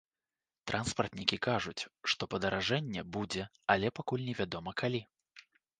Транспартнікі кажуць, што падаражэнне будзе, але пакуль невядома калі.